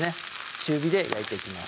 中火で焼いていきます